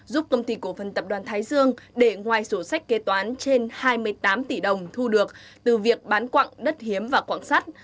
giúp công ty cổ phần tập đoàn thái dương để ngoài sổ sách kế toán trên hai mươi tám tỷ đồng thu được từ việc bán quạng đất hiếm và quạng sắt